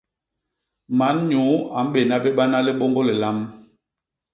Man nyuu a mbéna bé bana libôñgô lilam.